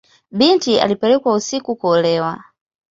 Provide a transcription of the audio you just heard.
Binti alipelekwa usiku kuolewa.